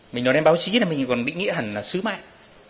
mình nói đến báo chí là mình còn bị nghĩa hẳn là sứ mạng